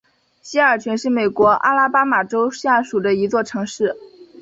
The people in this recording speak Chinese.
西尔泉是美国阿拉巴马州下属的一座城市。